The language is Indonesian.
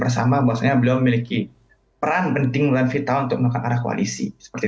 bersama bahwasanya beliau memiliki peran penting melalui vita untuk melakukan arah koalisi seperti